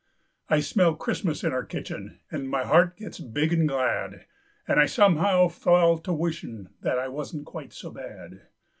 I smell Christmas in our kitchen, An' my heart gets big an' glad, An' I, somehow, fall to wishin', That I wasn't quite so bad.